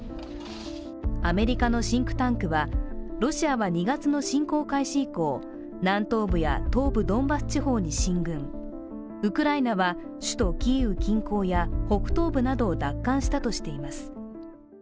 アメリカのシンクタンクはロシアは２月の侵攻開始以降南東部や東部ドンバス地方に進軍、ウクライナは首都キーウ近郊や北東部などを奪還したとしています。